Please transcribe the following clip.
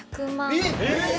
えっ！